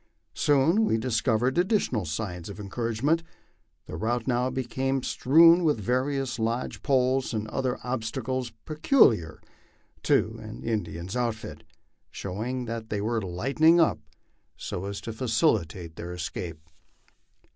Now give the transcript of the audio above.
Soon we discovered additional signs of encourage ment. The route now became strewn with various lodge poles and other ob stacles peculiar to an Indian's outfit, showing that they were " lightening up 36 MY LIFE ON THE PLAINS. so as to facilitate their escape.